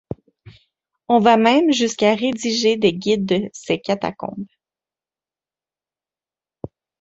On va même jusqu'à rédiger des guides de ces catacombes.